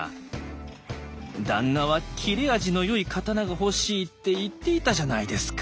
旦那は切れ味のよい刀が欲しいって言っていたじゃないですか」。